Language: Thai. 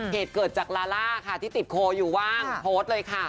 เหตุเกิดจากลาล่าค่ะที่ติดโคอยู่ว่างโพสต์เลยค่ะ